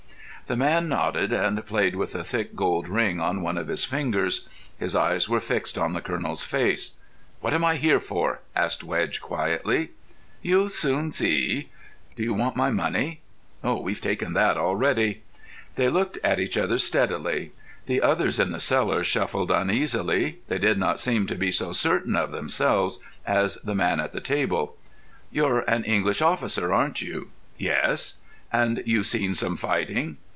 The man nodded, and played with a thick gold ring on one of his fingers. His eyes were fixed on the Colonel's face. "What am I here for?" asked Wedge, quietly. "You'll see soon." "Do you want my money?" "We've taken that already." They looked at each other steadily. The others in the cellar shuffled uneasily. They did not seem to be so certain of themselves as the man at the table. "You're an English officer, aren't you?" "Yes." "And you've seen some fighting?"